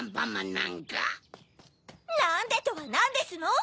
「なんで」とはなんですの？